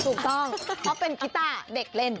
ถูกต้องเพราะเป็นกีต้าเด็กเล่น